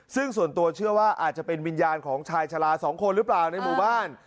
ซึ่งส่วนตัวเชื่อว่าอาจจะเป็นวิญญาณของชายชะลาสองคนหรือเปล่าในหมู่บ้าน